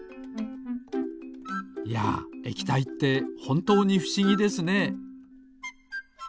いや液体ってほんとうにふしぎですね。